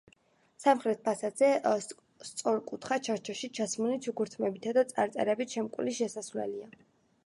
სამხრეთ ფასადზე სწორკუთხა ჩარჩოში ჩასმული ჩუქურთმებითა და წარწერებით შემკული შესასვლელია.